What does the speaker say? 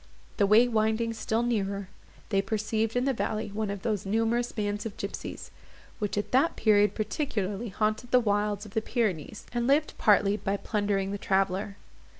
The way winding still nearer, they perceived in the valley one of those numerous bands of gipsies, which at that period particularly haunted the wilds of the Pyrenees, and lived partly by plundering the traveller.